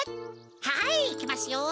はいいきますよ！